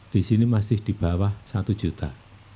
di sini masih di bawah satu juta